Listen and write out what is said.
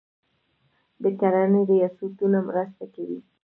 د کرنې ریاستونه مرسته کوي.